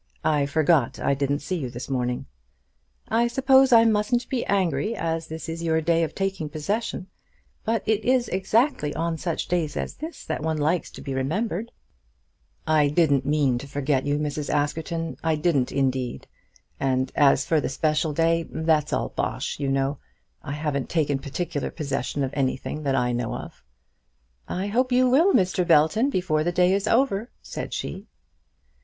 "I forgot I didn't see you this morning." "I suppose I mustn't be angry, as this is your day of taking possession; but it is exactly on such days as this that one likes to be remembered." "I didn't mean to forget you, Mrs. Askerton; I didn't, indeed. And as for the special day, that's all bosh, you know. I haven't taken particular possession of anything that I know of." "I hope you will, Mr. Belton, before the day is over," said she.